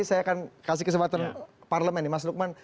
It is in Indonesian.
saya akan kasih kesempatan parlement mas lukman